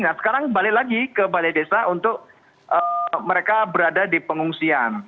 nah sekarang balik lagi ke balai desa untuk mereka berada di pengungsian